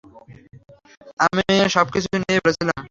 আমি সবকিছু নিয়ে ভালোই ছিলাম।